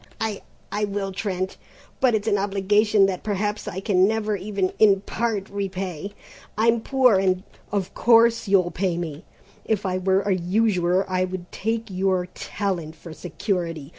"I I will, Trent, but it's an obligation that perhaps I can never even in part repay, I'm poor and " "Of course you'll pay me! If I were a usurer I would take your talent for security.